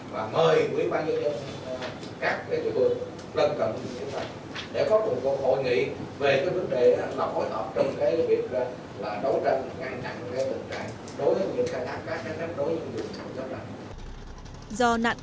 và mời quý bà nhân dân các chủ phương gần cận với chúng ta để có một cuộc hội nghị về vấn đề phối hợp trong việc đấu tranh nặng nặng